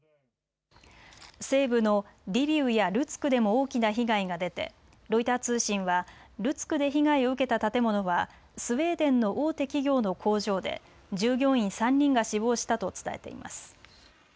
西部のリビウやルツクでも大きな被害が出てロイター通信はルツクで被害を受けた建物はスウェーデンの大手企業の工場で従業員３人が死亡したと伝えています。